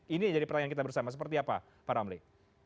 ini yang jadi pertanyaan kita bersama seperti apa para amri